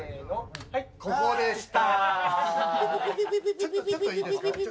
ここでした。